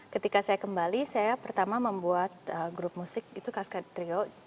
ketika saya kembali saya pertama membuat grup musik itu kas katrio